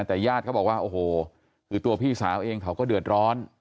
แต่ญาติเขาบอกว่าโอ้โหคือตัวพี่สาวเองเขาก็เดือดร้อน